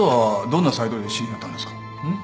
ん？